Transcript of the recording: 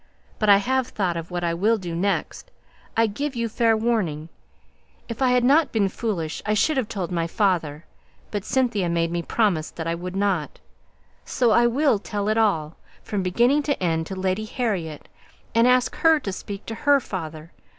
But I have thought of what I will do next. I give you fair warning. If I had not been foolish, I should have told my father, but Cynthia made me promise that I would not. So I will tell it all, from beginning to end, to Lady Harriet, and ask her to speak to her father.